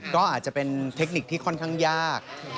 ก็อาจจะเป็นเทคนิคที่ค่อนข้างยาก